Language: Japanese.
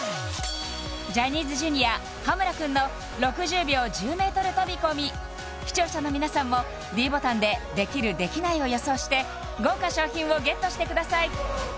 ジャニーズＪｒ．羽村くんの６０秒１０ｍ飛び込み視聴者の皆さんもｄボタンでできるできないを予想して豪華賞品をＧＥＴしてください